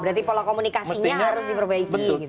berarti pola komunikasinya harus diperbaiki